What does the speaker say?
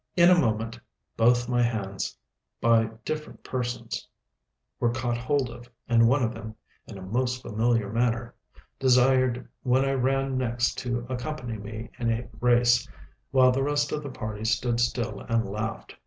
In a moment both my hands, by different persons, were caught hold of, and one of them, in a most familiar manner, desired when I ran next to accompany me in a race; while the rest of the party stood still and laughed.